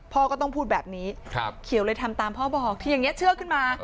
พ่อก็ต้องพูดแบบนี้เขียวเลยทำตามพ่อบอก